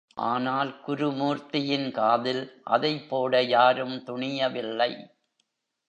ஆனால், குருமூர்த்தியின் காதில் அதைப் போட யாரும் துணியவில்லை.